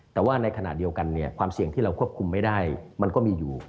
แต่ว่าในขณะเดียวกันความเสี่ยงที่เราควบคุมไม่ได้มันก็มีอยู่